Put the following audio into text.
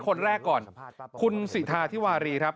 คนแรกก่อนคุณสิทาธิวารีครับ